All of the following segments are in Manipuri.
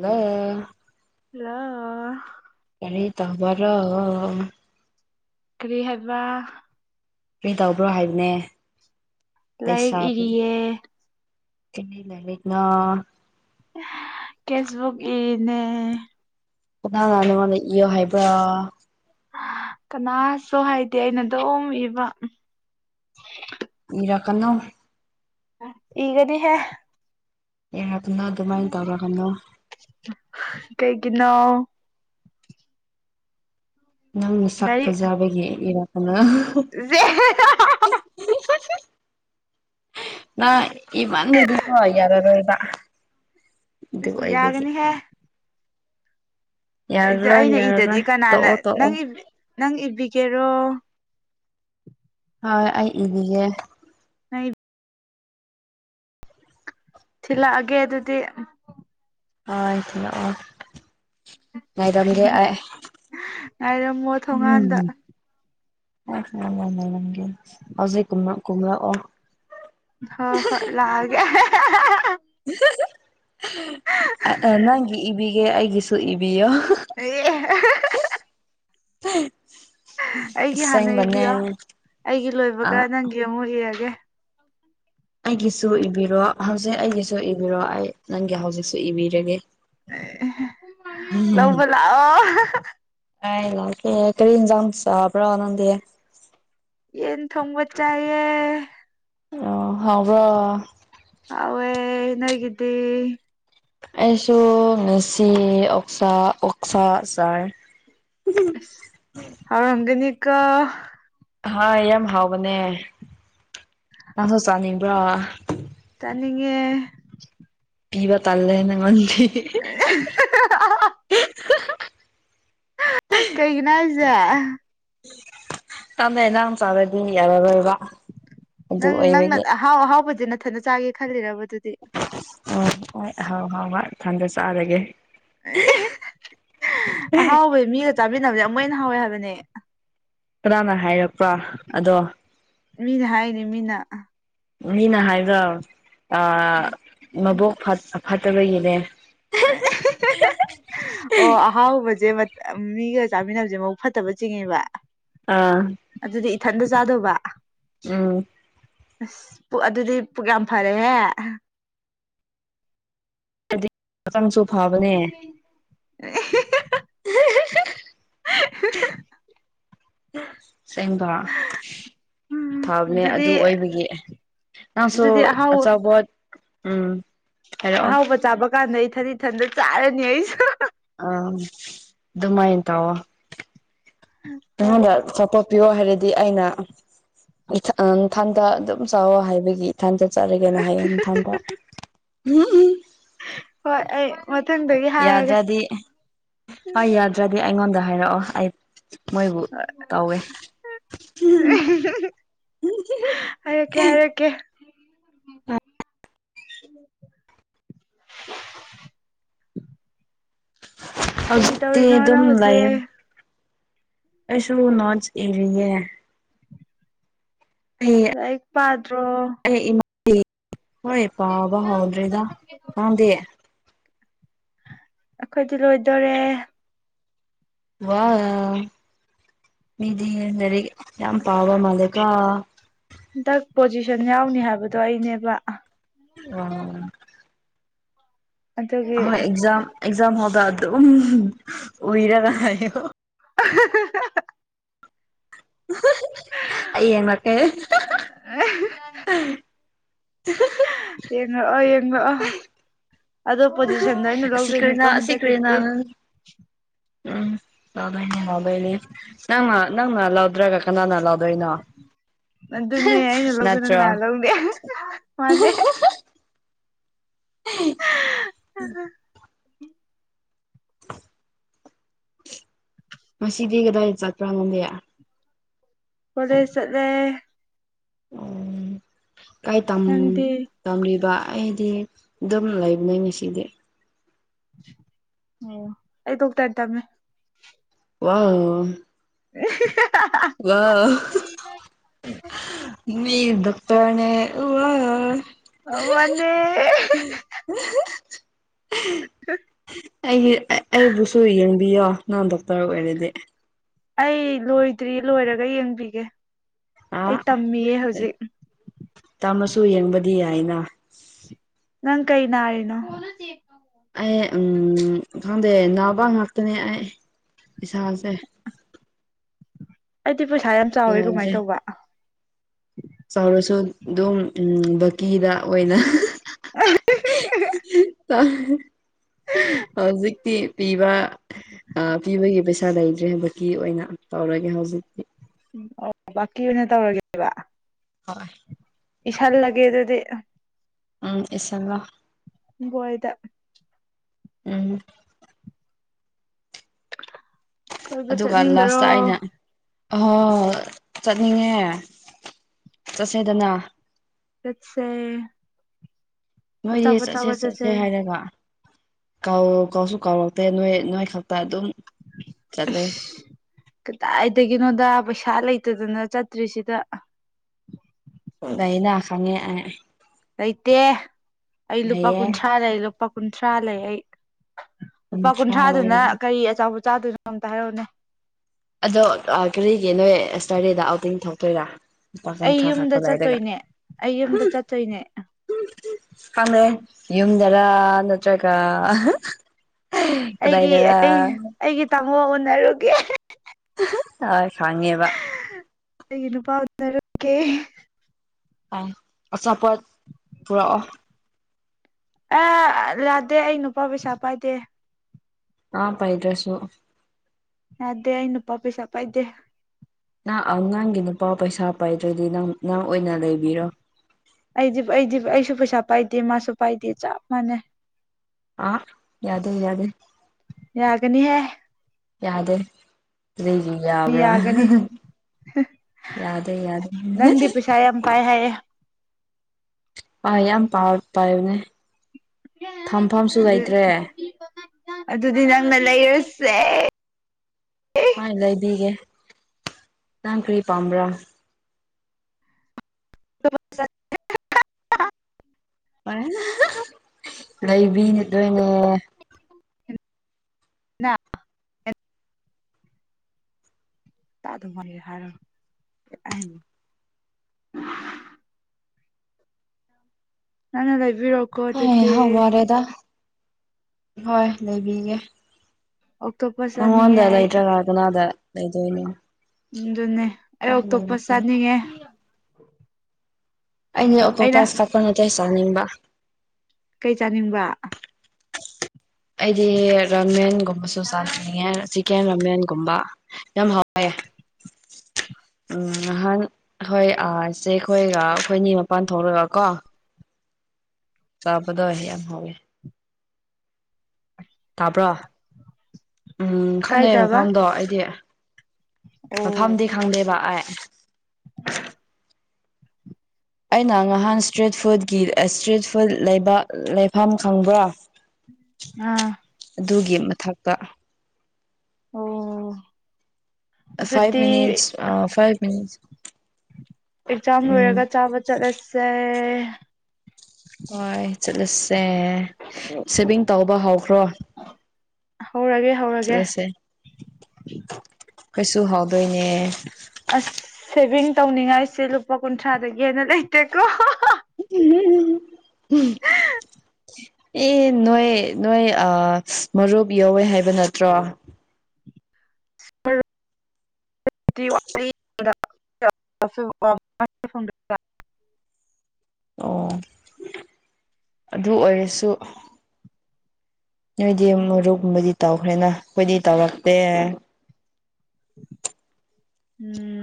ꯍꯜꯂꯣ ꯍꯜꯂꯣ ꯀꯔꯤ ꯇꯧꯕꯔꯣ ꯀꯔꯤ ꯍꯥꯏꯕ ꯀꯩ ꯇꯧꯕ꯭ꯔꯣ ꯍꯥꯏꯕꯅꯦ ꯂꯥꯏꯔꯤꯛ ꯂꯩꯁꯥꯕꯤ ꯏꯔꯤꯌꯦ [unintelligible] ꯀꯦꯁꯕꯨꯛ ꯏꯅꯦ [unintelligible] ꯏꯌꯣ ꯍꯥꯏꯕ꯭ꯔꯥ ꯀꯅꯥꯁꯨ ꯍꯥꯏꯗꯦ ꯑꯩꯅꯗꯨꯝ ꯏꯕ ꯏꯔ ꯀꯅꯣ ꯏꯒꯅꯤꯍꯦ ꯌꯥꯔꯒꯅ ꯑꯗꯨꯃꯥꯏꯅ ꯇꯧꯔꯒꯅꯨ ꯀꯩꯒꯤꯅꯣ ꯅꯪꯅ ꯁꯛ ꯂꯥꯏꯔꯤꯛ ꯐꯖꯥꯕꯒꯤ ꯏꯔꯛꯀꯅꯣ [unintelligible] ꯅꯪ ꯏꯃꯟ ꯕꯒꯤ ꯍꯣꯏ ꯌꯥꯔꯔꯣꯏꯕ ꯑꯗꯨ ꯏꯁ ꯑꯣꯏꯕꯒꯤ ꯌꯥꯒꯅꯤ ꯍꯦ ꯗ ꯌꯥꯔꯔꯣꯏ ꯑꯩꯅ ꯏꯗꯗꯤ ꯌꯥꯔꯔꯣꯏ ꯀꯅꯥꯅ ꯇꯣꯛꯑꯣ ꯇꯣꯛꯑꯣ ꯅꯪ ꯅꯪ ꯏꯕꯤꯒꯦꯔꯣ ꯍꯣꯏ ꯑꯩ ꯏꯕꯤꯒꯦ ꯑꯩ ꯊꯤꯜꯂꯛꯑꯒꯦ ꯑꯗꯨꯗꯤ ꯍꯣꯏ ꯊꯤꯟꯂꯛꯑꯣ ꯃꯥꯏꯔꯝꯒꯦ ꯑꯩ ꯉꯥꯏꯔꯝꯃꯣ ꯊꯣꯡꯒꯥꯟꯗ ꯎꯝ [unintelligible] ꯀꯨꯝꯂꯛꯑꯣ ꯍꯣꯏ ꯍꯣꯏ ꯂꯥꯛꯑꯒꯦ [unintelligible] [unintelligible] ꯅꯪꯒꯤ ꯏꯕꯤꯒꯦ ꯑꯩꯒꯤꯁꯨ ꯏꯕꯤꯌꯣ ꯑꯦ [unintelligible] ꯑꯩꯒꯤ ꯍꯥꯟꯅ ꯑꯁꯦꯡꯕꯅ ꯏꯕꯤꯔꯣ ꯑꯩꯒꯤ ꯂꯣꯏꯕꯒ ꯅꯪꯒꯤ ꯑꯃꯨꯛ ꯏꯔꯒꯦ ꯑꯩꯒꯤꯁꯨ ꯏꯕꯤꯔꯣ ꯍꯧꯖꯤꯛ ꯑꯩꯒꯤꯁꯨ ꯏꯕꯤꯔꯣ ꯑꯩ ꯅꯪꯒꯤ ꯍꯧꯖꯤꯛꯁꯨ ꯏꯕꯤꯔꯒꯦ ꯂꯩꯕ ꯂꯥꯛꯑꫭ ꯇꯥꯏ ꯂ ꯀꯦ ꯀꯔꯤꯖꯝ ꯆꯕ꯭ꯔꯣꯅꯗꯤꯦ ꯌꯦꯟ ꯊꯣꯡꯕ ꯆꯑꯦ ꯑ ꯍꯕ꯭ꯔ ꯑꯋꯦ ꯅꯒꯗꯦ ꯑꯩꯁꯨ ꯉꯦꯁꯤ ꯑꯣꯛꯁꯥ ꯑꯣꯛꯁꯥ ꯁꯥꯔ ꯍꯥꯏꯔꯝꯒꯅꯤꯀꯣ ꯍꯥꯏ ꯌꯥꯝ ꯍꯥꯎꯕꯅꯦ ꯅꯪꯁꯨ ꯆꯥꯅꯤꯡꯕ꯭ꯔꯣ ꯇꯅꯤꯡꯉꯦ ꯄꯤꯕ ꯇꯂꯦꯅꯉꯗꯤ ꯑꯦ ꯍꯥ-ꯍꯥ ꯀꯩꯒꯤꯅꯣ ꯍꯥꯏꯁꯦ ꯆꯝꯃꯦ ꯅ ꯆꯥꯔꯗꯤ ꯌꯥꯔꯔꯣꯏꯕ ꯑꯗꯨ ꯅꯪ ꯅꯪꯅ ꯑꯣꯏꯕꯒꯤ ꯑꯍꯥꯎ ꯑꯍꯥꯎꯕꯗꯤ ꯅꯅꯥꯊꯅ ꯆꯥꯒꯦ ꯈꯜꯂꯤꯔꯕ ꯑꯗꯨꯗꯤ ꯑꯣ ꯍꯣꯏ ꯍꯥꯎ ꯍꯥꯎ ꯍꯣꯏꯊꯟꯗ ꯆꯠꯔꯒꯦ ꯑꯍꯥꯎꯕꯗꯤ ꯃꯤꯒ ꯆꯃꯤꯟꯅꯕꯁꯦ ꯑꯃꯨꯛ ꯍꯦꯟꯅ ꯍꯥꯎꯋꯦ ꯍꯥꯏꯕꯅꯦ ꯀꯅꯥꯅ ꯍꯥꯏꯔꯛꯄ꯭ꯔꯥ ꯑꯗꯣ ꯃꯤꯅ ꯍꯥꯏꯅꯤ ꯃꯤꯅ ꯃꯤꯅ ꯍꯥꯏꯕ꯭ꯔꯥ ꯑ ꯃꯕꯣꯛ ꯐꯠ ꯐꯠꯇꯕꯒꯤꯅꯦ ꯑꯣ ꯑꯍꯥꯎꯕꯁꯦ ꯃꯤꯒ ꯆꯥꯃꯤꯟꯅꯕꯁꯦ ꯃꯕꯨꯛ ꯐꯠꯇꯕ ꯆꯤꯡꯉꯦꯕ ꯑꯥ ꯑꯗꯨꯗꯤ ꯏꯊꯟꯇ ꯆꯥꯗꯧꯕ ꯎꯝ ꯑꯁ ꯑꯗꯨꯗꯤ ꯄꯨꯛ ꯌꯥꯝ ꯐꯔꯦꯍꯦ ꯍꯥꯏꯗꯤ ꯃꯇꯝꯁꯨ ꯐꯕꯅꯦ [unintelligible] ꯑꯁꯦꯡꯕ ꯐꯕꯅꯦ ꯑꯗꯨꯗꯤ ꯑꯗꯨ ꯑꯣꯏꯕꯒꯤ ꯅꯪꯁꯨ ꯑꯗꯨꯗꯤ ꯑꯍꯥꯎ ꯑꯆꯥꯧꯕꯣꯠ ꯎꯝ ꯍꯥꯏꯔꯛꯑꯣ ꯑꯍꯥꯎꯕ ꯆꯥꯕ ꯀꯥꯟꯗ ꯑꯩ ꯊꯟꯗꯤ ꯏꯊꯟꯗ ꯆꯥꯔꯅꯤ ꯑꯩꯁꯨ ꯑ ꯑꯗꯨꯃꯥꯏꯟ ꯇ ꯋꯥ ꯍꯣꯏ ꯍꯗ ꯆꯄ ꯄꯤꯌꯑꯣ ꯍꯥꯏꯔꯦ ꯗꯤ ꯑꯩꯅ ꯏꯊꯟꯗ ꯑꯗꯨꯝ ꯆꯥꯎꯋ ꯍꯥꯏꯕꯒꯤ ꯏꯊꯟꯗꯠ ꯆꯠꯔꯒꯦꯅ ꯍꯥꯏꯌ ꯏꯊꯟꯗ ꯎꯝꯝ ꯍꯣꯏ ꯑꯩ ꯃꯊꯪꯗꯒꯤ ꯍꯥꯏꯔꯒꯦ ꯍ ꯌꯥꯗ꯭ꯔꯗꯤ ꯑꯩꯉꯣꯟꯗ ꯍꯥꯏꯔꯛꯑꯣ ꯑꯩ ꯃꯣꯏꯕꯨ ꯇꯧꯋꯦ ꯍꯥꯏꯔꯛꯀꯦ ꯍꯥꯏꯔꯛꯀꯦ ꯀꯔꯤ ꯍꯧꯗꯤ ꯇꯧꯔꯤꯅꯣ ꯑꯗꯨꯝ ꯅꯪ ꯂꯩꯏꯌꯦ ꯍꯧꯖꯤꯛ ꯑꯩꯁꯨ ꯅꯣꯔꯠ ꯑꯦꯔꯤꯌꯦ ꯎꯝ ꯇꯛ ꯄꯥꯗ꯭ꯔꯣ ꯑꯩ ꯏꯃꯥꯗꯤ ꯍꯣꯏ ꯄꯥꯕ ꯍꯧꯗ꯭ꯔꯤꯗ ꯈꯪꯗꯦ ꯑꯩꯈꯣꯏꯗꯤ ꯂꯣꯏꯗꯣꯔꯦ ꯋꯥ ꯃꯤꯗꯤ ꯅꯔꯤ ꯌꯥꯝ ꯄꯥꯕ ꯃꯥꯂꯀ ꯍꯟꯗꯛ ꯄꯣꯖꯤꯁꯟ ꯌꯥꯎꯅꯤ ꯍꯥꯏꯕꯗꯣ ꯑꯩꯅꯦꯕ [unintelligible] ꯑꯗꯨꯒꯤ ꯍꯣꯏ ꯑꯦꯛꯖꯥꯝ ꯑꯦꯛꯖꯥꯝ ꯍꯣꯜꯗ ꯑꯗꯨꯝ ꯎꯏꯔꯒ ꯂꯩꯌꯣ [unintelligible] [unintelligible] ꯑꯩ ꯌꯦꯡꯂꯛꯀꯦ ꯌꯦꯡꯉꯛꯑꯣ ꯌꯦꯡꯉꯛꯑꯣ ꯑꯗꯣ ꯄꯣꯖꯤꯁꯟꯗꯣ ꯑꯩꯅ ꯑꯁꯤ ꯂꯧꯗꯣꯏꯅꯤꯀꯣ ꯀꯔꯤꯅ ꯑꯁꯤ ꯀꯔꯤꯅ ꯍꯟꯗꯛꯀꯤꯇꯤ ꯎꯝ ꯂꯧꯗꯣꯏꯅꯦ ꯂꯧꯗꯣꯏꯅꯦ ꯅꯪꯅ ꯅꯪꯅ ꯂꯧꯗ꯭ꯔꯒ ꯀꯅꯥꯅ ꯂꯧ ꯗꯣꯏꯅꯣ ꯑꯗꯨꯅꯦ ꯑꯩꯅ ꯂꯧꯗꯅ ꯅꯠꯇ꯭ꯔꯣ ꯀꯅꯥ ꯂꯧꯅꯤ ꯃꯥꯅꯦ [unintelligible] ꯉꯁꯤꯗꯤ ꯀꯗꯥꯏ ꯆꯠꯄ꯭ꯔꯥ ꯅꯪꯗꯤ ꯀꯣꯂꯦꯖ ꯆꯠꯂꯦ ꯑꯣ ꯀꯥꯏ ꯇꯝ ꯅꯪꯗꯤ ꯇꯝꯂꯤꯕ ꯑꯩꯗꯤ ꯑꯗꯨꯝ ꯂꯩꯕꯅꯤ ꯉꯁꯤꯗꯤ ꯑꯣ ꯑꯩ ꯗꯣꯛꯇꯔ ꯇꯝꯃꯤ ꯋꯥꯎ [unintelligible] ꯋꯥꯎ ꯃꯤ ꯗꯣꯛꯇꯔꯅꯦ ꯎꯋꯥꯎ ꯑꯣ ꯃꯥꯅꯦ [unintelligible] ꯑꯩꯒꯤ ꯑꯩꯕꯨꯁꯨ ꯌꯦꯡꯕꯤꯌꯣ ꯅꯪ ꯗꯣꯛꯇꯔ ꯑꯣꯏꯔꯗꯤ ꯑꯩ ꯂꯣꯏꯗ꯭ꯔꯤ ꯂꯣꯏꯔꯒ ꯌꯦꯡꯕꯤꯒꯦ ꯑ ꯑꯩ ꯇꯝꯃꯤꯌꯦ ꯍꯧꯖꯤꯛ ꯇꯥꯃꯁꯨ ꯌꯦꯡꯕꯗꯤ ꯌꯥꯏꯅ ꯅꯪ ꯀꯩ ꯅꯥꯔꯤꯅꯣ [unintelligible] ꯑꯩ ꯎꯝ ꯈꯪꯗꯦ ꯅꯥꯕ ꯉꯥꯛꯇꯅꯦ ꯑꯩ ꯏꯁꯥꯁꯦ ꯑꯩꯗꯤ ꯄꯩꯁꯥ ꯌꯥꯝ ꯆꯥꯎꯋꯦ ꯀꯃꯥꯏ ꯌꯥꯗ꯭ꯔꯦ ꯇꯧꯕ ꯆꯥꯎꯔꯁꯨ ꯑꯗꯨꯝ ꯎꯝ ꯕꯥꯀꯤꯗ ꯑꯣꯏꯅ [unintelligible] [unintelligible] ꯍꯧꯖꯤꯛꯇꯤ ꯄꯤꯕ ꯑ ꯄꯤꯕꯒꯤ ꯄꯩꯁꯥ ꯂꯩꯗ꯭ꯔꯦ ꯍꯟꯗꯛꯀꯤ ꯑꯣꯏꯅ ꯇꯧꯔꯒꯦ ꯍꯧꯖꯤꯛꯇꯤ ꯎꯝ ꯑꯣ ꯕꯥꯛꯀꯤ ꯑꯣꯏꯅ ꯇꯧꯔꯒꯦꯕ ꯍꯣꯏ ꯏꯁꯜꯂꯒꯦ ꯑꯗꯨꯗꯤ ꯎꯝ ꯏꯁꯜꯂꯣ ꯕꯣꯏꯗ ꯎꯝ ꯀꯣꯏꯕ ꯑꯗꯨꯒ ꯆꯠꯅꯤꯡꯗꯔꯣ ꯂꯥꯁꯇ ꯑꯩꯅ ꯑꯣ ꯆꯠꯅꯤꯡꯉꯦ ꯆꯠꯁꯦꯗꯅ ꯆꯠꯁꯦ ꯅꯣꯏꯗꯤ ꯑꯆꯥꯄꯣꯠ ꯆꯠꯁꯦ ꯆꯥꯕ ꯆꯠꯁꯦ ꯍꯥꯏꯔꯒ ꯀꯧ ꯀꯧꯁꯨ ꯀꯧꯔꯛꯇꯦ ꯅꯣꯏ ꯅꯣꯏ ꯈꯛꯇ ꯑꯗꯨꯝ ꯆꯠꯂꯦ ꯑꯁ ꯀꯗꯥꯏꯗꯒꯤꯅꯣꯗ ꯄꯩꯁꯥ ꯂꯩꯇꯗꯅ ꯆꯠꯇ꯭ꯔꯤꯁꯤꯗ ꯂꯩꯅ ꯈꯪꯉꯦ ꯑꯩ ꯂꯩꯇꯦ ꯑꯩ ꯂꯨꯄꯥ ꯂꯩꯌꯦ ꯀꯨꯟꯊ꯭ꯔꯥ ꯂꯩ ꯂꯨꯄꯥ ꯀꯨꯟꯊ꯭ꯔꯥ ꯂꯩ ꯑꯩ ꯂꯨꯄꯥ ꯀꯨꯟꯊ꯭ꯔꯥ ꯀꯨꯟꯊ꯭ꯔꯥꯗꯨꯅ ꯂꯩꯔꯗꯤ ꯀꯔꯤ ꯑꯆꯥꯄꯣꯠ ꯆꯥꯗꯣꯏꯅꯣ ꯑꯝꯇ ꯍꯥꯏꯔꯛꯎꯅꯦ ꯑꯗꯣ ꯀꯔꯤꯒꯤ ꯅꯣꯏ ꯁ꯭ꯇꯔꯗꯦꯗ ꯑꯥꯎꯇꯤꯡ ꯊꯣꯛꯇꯣꯏꯔꯥ ꯂꯨꯄꯥ ꯑꯩ ꯀꯨꯟꯊ꯭ꯔꯥ ꯌꯨꯝꯗ ꯈꯛꯇ ꯂꯩꯔꯒ ꯆꯠꯇꯣꯏꯅꯦ ꯑꯩ ꯌꯨꯝꯗ ꯆꯠꯇꯣꯏꯅꯦ [unintelligible] ꯌꯨꯝꯗꯔꯥ ꯅꯠ ꯇ꯭ꯔꯒ ꯑꯩꯒꯤ ꯀꯗꯥꯏꯗꯔꯥ ꯑꯩ ꯑꯩꯒꯤ ꯇꯥꯃꯣ ꯎꯅꯔꯨꯒꯦ ꯍꯣꯏ ꯈꯪꯉꯦꯕ ꯑꯩꯒꯤ ꯅꯨꯄꯥꯖꯔꯛꯀꯦ ꯑ ꯑꯆꯥꯄꯣꯠ ꯄꯨꯔꯛꯑꯣ ꯑ ꯂꯥꯗꯦ ꯑꯩ ꯅꯨꯄꯥ ꯄꯩꯁꯥ ꯄꯥꯏꯗꯦ ꯑ ꯄꯥꯏꯗ꯭ꯔꯁꯨꯁꯨ ꯌꯥꯗꯦ ꯑꯩ ꯅꯨꯄꯥ ꯄꯩꯁꯥ ꯄꯥꯏꯗꯦ ꯑꯉꯥꯡꯒꯤ ꯅꯨꯄꯥ ꯄꯩꯁꯥ ꯄꯥꯏꯗ꯭ꯔꯗꯤ ꯅꯪ ꯅꯪ ꯑꯣꯏꯅ ꯂꯩꯕꯤꯔꯣ ꯑꯩꯗꯤ ꯑꯩꯗꯤ ꯑꯩꯁꯨ ꯄꯩꯁꯥ ꯄꯥꯏꯗꯦ ꯃꯥꯁꯨ ꯄꯥꯏꯗꯦ ꯆꯞ ꯃꯥꯟꯅꯩ ꯑ ꯌꯥꯗꯣ ꯌꯥꯗ ꯌꯥꯒꯅꯤꯍꯦ ꯌꯥꯗꯦ ꯊꯔꯤꯒ ꯌꯥꯕ꯭ꯔꯥ ꯌꯥꯒꯅꯤ ꯌꯥꯗꯦ ꯌꯥꯗꯦ ꯥꯏꯝ ꯄꯥꯏ ꯍꯥꯏꯌꯦ ꯍꯥꯏ ꯌꯥꯝ ꯄ ꯄꯥꯏꯕꯅꯦ ꯊꯝꯐꯝꯁꯨ ꯂꯩꯇ꯭ꯔꯦ ꯑꯗꯨꯗꯤ ꯅꯪꯅ ꯂꯩꯔꯁꯦ ꯃꯥꯏ ꯂꯩꯕꯤꯒꯦ ꯅꯪ ꯀꯔꯤ ꯄꯥꯝꯕ꯭ꯔꯥ [unintelligible] ꯏ ꯂꯩꯕꯤꯅꯦꯗꯣꯏꯅꯦ ꯇꯥꯗꯨ ꯐ ꯍꯥꯏꯔ ꯅꯥꯟ ꯂꯩꯕꯤꯔꯛ ꯑꯦꯍ ꯋꯥꯔꯦꯗ ꯍꯣꯏ ꯂꯩꯕꯤꯒꯦ ꯑꯣꯛꯇꯣꯕꯔ ꯅꯪꯉꯣꯟꯗ ꯂꯩꯇ꯭ꯔꯒ ꯀꯅꯥꯗ ꯂꯩꯗꯣꯏꯅꯣ ꯎꯗꯨꯟꯅꯦ ꯑꯩꯅꯣ ꯑꯩꯅ ꯑꯣꯛꯇꯣꯄꯁꯇꯣ ꯆꯦ ꯆꯥꯅꯤꯡꯕ ꯀꯩ ꯆꯥꯅꯤꯡꯕ ꯑꯩꯗꯤ ꯔꯥꯃꯟꯒꯨꯝꯕꯁꯨ ꯆꯥꯖꯅꯤꯡꯉꯦ ꯆꯤꯛꯀꯦꯟ ꯔꯥꯃꯟꯒꯨꯝꯕ ꯌꯥꯝ ꯍꯥꯎꯏꯑꯦ ꯅꯍꯥꯟ ꯍꯣꯏ ꯑꯁꯦ ꯑꯩꯈꯣꯏꯒ ꯑꯩꯈꯣꯏꯅꯤ ꯃꯄꯥꯟ ꯊꯣꯛꯂꯒ ꯀꯣ ꯆꯕꯗꯣ ꯌꯥꯝ ꯍꯣꯡꯉꯦ ꯇꯥꯕ꯭ꯔꯣ ꯎꯝ ꯈꯪꯅꯩꯌꯦ ꯀꯥꯏꯗꯕ ꯃꯐꯝꯗꯣ ꯑꯩꯗꯤ ꯑꯣ ꯃꯐꯝꯗꯤ ꯈꯪꯗꯦꯕ ꯑꯩ ꯑꯩꯅ ꯉꯍꯥꯟ ꯏꯁꯇ꯭ꯔꯦꯠ ꯐꯨꯗꯀꯤ ꯏꯁꯇ꯭ꯔꯦꯠ ꯐꯨꯗ ꯂꯩꯕ ꯂꯩꯐꯝ ꯈꯪꯕ꯭ꯔꯣ ꯑꯥ ꯑꯗꯨꯒꯤ ꯃꯊꯛꯇ ꯑꯣ ꯑꯗꯨꯗꯤ five minutes five minutes exam ꯎꯝ ꯂꯣꯏꯔꯒ ꯆꯥꯕ ꯆꯠꯂꯁꯦ ꯍꯣꯏ ꯆꯠꯂꯁꯦ ꯁꯦꯚꯤꯡ ꯇꯧꯕ ꯍꯧꯈ꯭ꯔꯣ ꯍꯧꯔꯒꯦ ꯍꯧꯔꯒꯦ ꯆꯠꯂꯁꯦ ꯀꯩꯁꯨ ꯍꯥꯎꯗꯣꯏꯅꯦ ꯑꯁ ꯁꯦꯚꯤꯡ ꯇꯧꯅꯤꯡꯉꯥꯏꯁꯦ ꯂꯨꯄꯥ ꯀꯨꯟꯊ꯭ꯔꯥꯗꯒꯤ ꯍꯦꯟꯅ ꯂꯩꯇꯦꯀꯣ ꯍꯥ ꯍꯥ ꯎꯝ ꯑꯦ ꯅꯣꯏ ꯅꯣꯏ ꯑ ꯃꯔꯨꯞ ꯌꯧꯋꯦ ꯍꯥꯏꯕ ꯅꯠꯇ꯭ꯔꯣ ꯁꯄ꯭ꯔ [inaudible] [inaudible] ꯑꯣ ꯑꯗꯨ ꯑꯣꯏꯔꯁꯨ ꯅꯣꯏꯗꯤ ꯃꯔꯨꯞꯒꯨꯝꯕꯗꯤ ꯇꯧꯈ꯭ꯔꯦꯅ ꯑꯩꯈꯣꯏꯗꯤ ꯇꯧꯔꯛꯇꯦ ꯎꯝ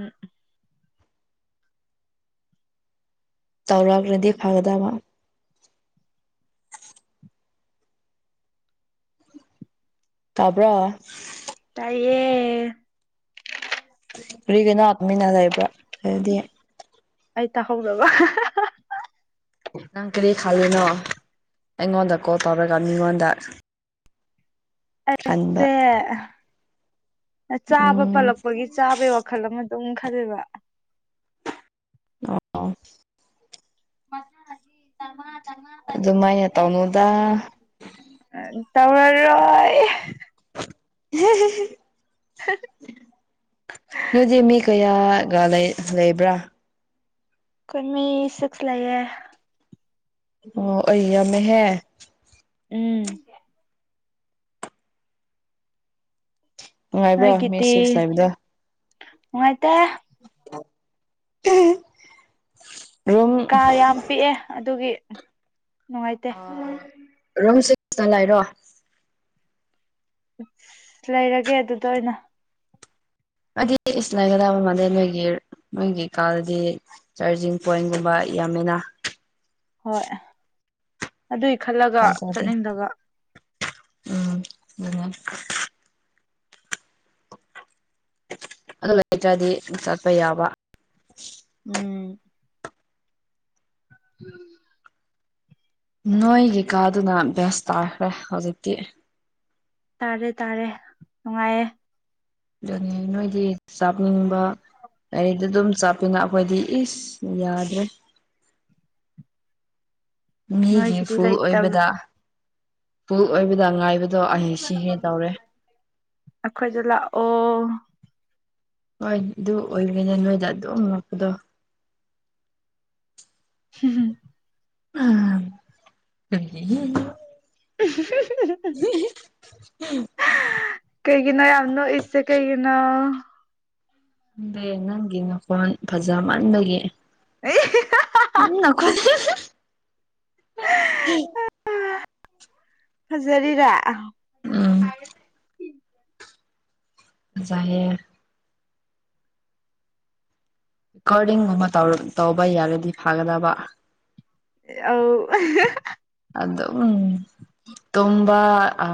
ꯇꯧꯔꯛꯔꯗꯤ ꯐꯒꯗꯕ ꯇꯥꯕ꯭ꯔꯣ ꯇꯥꯏꯌꯦ ꯀꯔꯤꯒꯤꯅꯣ ꯇꯨꯃꯤꯟꯅ ꯂꯩꯕ꯭ꯔꯥ ꯑꯗꯨꯗꯤ ꯑꯩ ꯇꯥꯍꯧꯗꯕ ꯅꯥꯪ ꯀꯔꯤ ꯈꯜꯂꯤꯅꯣ ꯑꯩꯉꯣꯟꯗ ꯀꯣꯜ ꯇꯧꯔꯒ ꯃꯤꯉꯣꯟꯗ ꯈꯟꯕ ꯑꯩꯁꯦ ꯆꯥꯕ ꯎꯝ ꯄꯜꯂꯛꯄꯒꯤ ꯆꯥꯕꯩ ꯋꯥꯈꯜ ꯑꯃ ꯑꯗꯨꯝ ꯈꯜꯂꯤꯕ ꯑꯣ [unintelligible] ꯑꯗꯨꯃꯥꯏꯅ ꯇꯧꯅꯨꯗ ꯇꯦꯔ꯭ꯔꯣꯏ ꯅꯣꯏꯗꯤ ꯃꯤ ꯀꯩ ꯀꯌꯥꯒ ꯂꯩꯕ꯭ꯔꯥ ꯑꯩꯀꯣꯏ ꯃꯤ ꯁꯤꯛꯁ ꯂꯩꯌꯦ꯫ ꯑꯣ ꯑꯩꯌꯥꯃꯦꯍꯦ ꯎꯝ ꯅꯨꯡꯉꯥꯏꯕ꯭ꯔꯣ ꯃꯤ ꯅꯣꯏꯒꯤꯗꯤ ꯁꯤꯛꯁ ꯂꯩꯕꯗꯣ ꯅꯨꯉꯥꯏꯇꯦ ꯫ [unintelligible] ꯀꯥ ꯌꯥꯝ ꯄꯤꯛꯑꯦ ꯑꯗꯨꯒꯤ ꯅꯨꯡꯉꯥꯏꯇꯦ ꯑ ꯔꯝꯁꯤꯁꯅ ꯂꯩ ꯍꯥꯏꯔꯣ ꯑꯁ ꯂꯩꯔꯒꯦ ꯑꯗꯨꯗ ꯑꯣꯏꯅ ꯍꯥꯏꯗꯤ ꯏꯁ ꯂꯩꯒꯗꯕ ꯃꯥꯟꯗꯩ ꯅꯣꯏꯒꯤ ꯅꯣꯏꯒꯤ ꯀꯥꯗꯗꯤ ꯆꯥꯔꯖꯤꯡ ꯄꯣ꯭ꯏꯟꯒꯨꯝꯕ ꯌꯥꯝꯃꯤꯅ ꯍꯣꯏ ꯑꯗꯨꯏ ꯈꯜꯂꯒ ꯊꯥꯖꯗꯦ ꯆꯠꯅꯤꯡꯗꯕ ꯎꯝ ꯑꯗꯨ ꯑꯗꯨ ꯂꯩꯇ꯭ꯔꯗꯤ ꯆꯠꯄ ꯌꯥꯕ ꯎꯝ [inaudible] ꯅꯣꯏꯒꯤ ꯀꯥꯗꯨꯅ ꯕꯦꯁ ꯇꯥꯈ꯭ꯔꯦ ꯍꯧꯖꯤꯛꯇꯤ ꯇꯥꯔꯦ- ꯇꯥꯔꯦ ꯅꯨꯡꯉꯥꯏꯌꯦ꯫ ꯑꯗꯨ ꯅꯣꯏꯗꯤ ꯆꯥꯞꯅꯤꯡꯕ ꯔꯤꯗ ꯑꯗꯨꯝ ꯑꯗꯨꯅ ꯑꯈꯣꯏꯗꯤ ꯏꯁ ꯌꯥꯗ꯭ꯔꯦ꯫ ꯃꯤꯒꯤ ꯅꯣꯏꯒꯤꯗꯤ ꯐꯨꯜ ꯂꯩꯇꯕ ꯑꯣꯏꯕꯗ ꯐꯨꯜ ꯑꯣꯏꯕꯗ ꯉꯥꯏꯕꯗꯣ ꯑꯩ ꯁꯤꯒꯦ ꯇꯧꯔꯦ꯫ ꯑꯈꯣꯏꯗ ꯂꯥꯛꯑꯣ ꯍꯣꯏ ꯑꯗꯨ ꯑꯣꯏꯕꯦꯅꯦ ꯅꯣꯏꯗ ꯑꯗꯨꯝꯉꯛꯄꯗꯣ ꯍꯝ [inaudible] ꯎꯝ ꯎꯝ ꯀꯩꯒꯤꯅꯣ ꯌꯥꯝ ꯅꯣꯛꯏꯁꯦ ꯀꯩꯒꯤꯅꯣ ꯅꯪꯒꯤ ꯅꯈꯣꯟ ꯐꯖꯃꯟꯕꯒꯤ ꯑꯦ ꯍꯦ ꯎꯝ ꯅꯈꯣꯏꯗ ꯐꯖꯔꯤꯔꯥ ꯎꯝ ꯐꯖꯩꯌꯦ꯫ ꯀꯣꯔꯗꯤꯡꯒꯨꯝꯕ ꯇꯧꯕ ꯌꯥꯔꯗꯤ ꯐꯒꯗꯕ [unintelligible] ꯑꯗꯨꯝ ꯇꯨꯕꯥ ꯑ